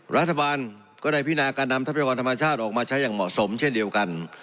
รัฐบาลก็ได้พินาการนำทรัพยากรธรรมชาติออกมาใช้อย่างเหมาะสมเช่นเดียวกัน